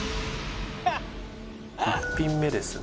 １品目ですが。